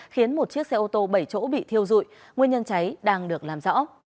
khiến một chiếc xe ô tô bảy chỗ bị thiêu dụi nguyên nhân cháy đang được làm rõ